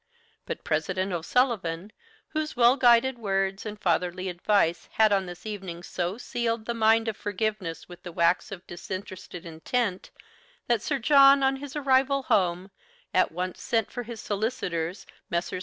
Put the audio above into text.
But President O'Sullivan, whose well guided words and fatherly advice had on this evening so sealed the mind of forgiveness with the wax of disinterested intent that Sir John, on his arrival home, at once sent for his solicitors, Messrs.